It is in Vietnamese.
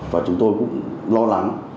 và chúng tôi cũng lo lắng